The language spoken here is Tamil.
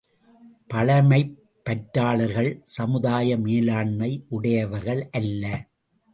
பழைமைப் பற்றாளர்கள் சமுதாய மேலாண்மை உடையவர்கள் அல்ல.